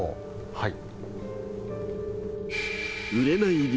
はい。